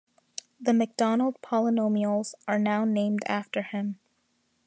The Macdonald polynomials are now named after him.